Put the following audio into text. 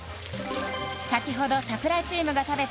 先ほど櫻井チームが食べた